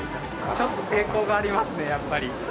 ちょっと抵抗がありますね、やっぱり。